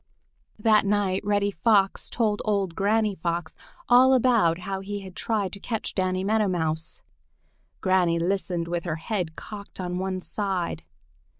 That night Reddy Fox told old Granny Fox all about how he had tried to catch Danny Meadow Mouse. Granny listened with her head cocked on one side.